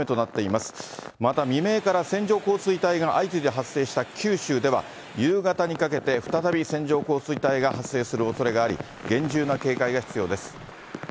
また未明から線状降水帯が相次いで発生した九州では、夕方にかけて再び線状降水帯が発生するおそれがあり、厳重な警戒が必要です。